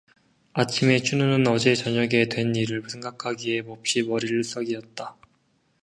아침에 춘우는 어제 저녁 에 된 일을 생각하기에 몹시 머리를 썩이었다.